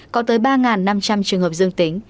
có tới ba năm trăm linh trường hợp dương tính